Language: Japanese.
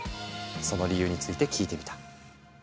その理由について聞いてみた。